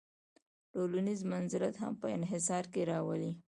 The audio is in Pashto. ټولنیز منزلت هم په انحصار کې راولي.